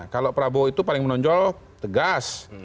kalau prabowo itu paling menonjol tegas